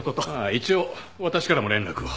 一応私からも連絡を。